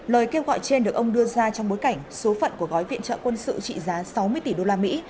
lời kêu gọi trên được ông đưa ra trong bối cảnh số phận của gói viện trợ quân sự trị giá sáu mươi tỷ usd